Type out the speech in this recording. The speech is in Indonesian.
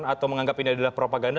atau menganggap ini adalah propaganda